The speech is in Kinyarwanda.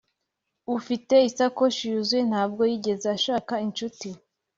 ufite isakoshi yuzuye ntabwo yigeze ashaka inshuti.